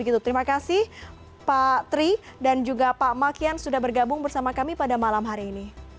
terima kasih pak tri dan juga pak makian sudah bergabung bersama kami pada malam hari ini